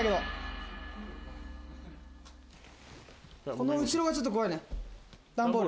この後ろがちょっと怖いね、段ボール。